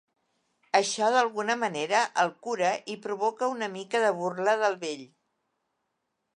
Això d'alguna manera el cura i provoca una mica de burla del vell.